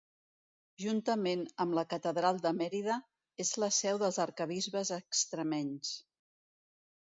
Juntament amb la Catedral de Mèrida, és la seu dels arquebisbes extremenys.